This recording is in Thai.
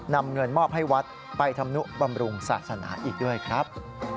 นำเงินมอบให้วัดไปทำนุบำรุงศาสนาอีกด้วยครับ